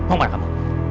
om pada kamu